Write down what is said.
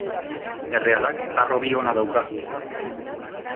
Errealak harrobi ona dauka.